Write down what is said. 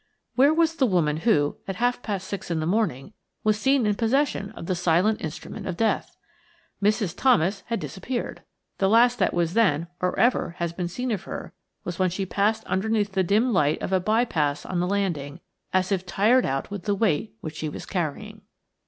Where was the woman who, at half past six in the morning, was seen in possession of the silent instrument of death? Mrs. Thomas had disappeared. The last that was then or ever has been seen of her was when she passed underneath the dim light of a by pass on the landing, as if tired out with the weight which she was carrying.